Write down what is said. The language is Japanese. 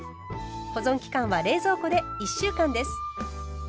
保存期間は冷蔵庫で１週間です。